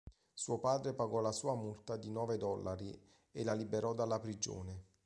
Suo padre pagò la sua multa di nove dollari e la liberò dalla prigione.